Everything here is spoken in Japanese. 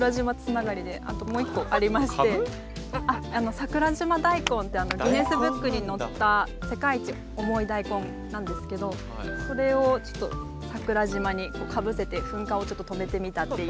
桜島大根ってギネスブックに載った世界一重い大根なんですけどそれをちょっと桜島にかぶせて噴火をちょっと止めてみたっていう。